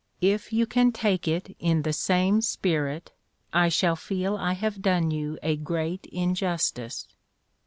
If you can take it in the same spirit, I shall feel I have done you a great injustice."